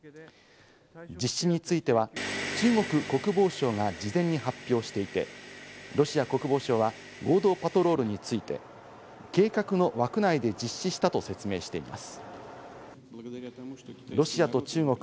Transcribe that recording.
実施については中国国防省が事前に発表していて、ロシア国防省は合同パトロールについて、計画の枠内で実施したと説明しています。